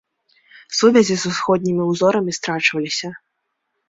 Сувязі з усходнімі ўзорамі страчваліся.